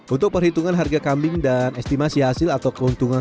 untuk perhitungan harga kambing dan estimasi hasil atau keuntungan